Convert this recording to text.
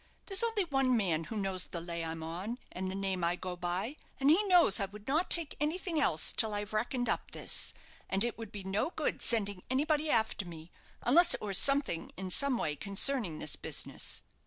There's only one man who knows the lay I'm on, and the name I go by, and he knows I would not take anything else till I have reckoned up this; and it would be no good sending anybody after me, unless it were something in some way concerning this business."